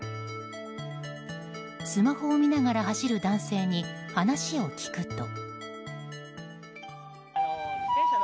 スマホを見ながら走る男性に話を聞くと。